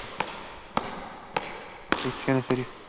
Y lecciones serias.